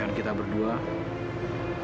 dan kita berdua saya akan maafi manuhara